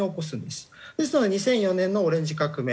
ですので２００４年のオレンジ革命。